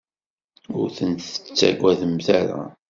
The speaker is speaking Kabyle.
Ur ten-tettagademt ara.